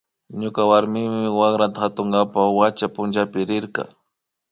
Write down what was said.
Ñukapa warmi wakrata katunkapak wacha punchapi rikrini